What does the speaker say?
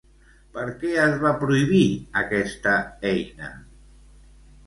Per què es va prohibir aquesta eina?